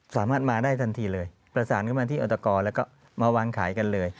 สามารถมาได้ทันทีเลยประสานเข้ามาที่อัตกรแล้วก็มาวางขายกันเลย